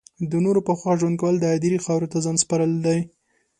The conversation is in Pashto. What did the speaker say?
د نورو په خوښه ژوند کول د هدیرې خاورو ته ځان سپارل دی